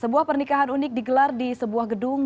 sebuah pernikahan unik digelar di sebuah gedung